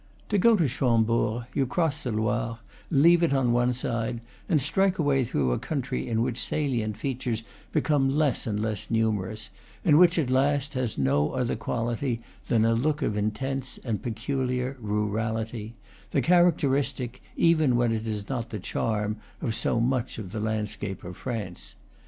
To go to Chambord, you cross the Loire, leave it on one side, and strike away through a country in which salient features be come less and less numerous, and which at last has no other quality than a look of intense, and peculiar rurality, the characteristic, even when it is not the charm, of so much of the landscape of France.